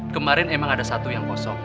kemarin emang ada satu yang kosong